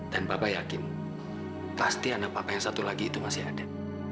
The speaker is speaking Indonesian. dan papa yakin pasti anak papa yang satu lagi itu masih ada